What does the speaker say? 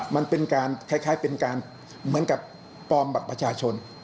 มันเป็นการคล้ายเป็นการเหมือนกับปลอมบัตรประชาชน